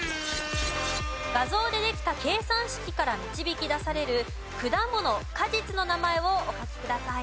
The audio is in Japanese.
画像でできた計算式から導き出される果物・果実の名前をお書きください。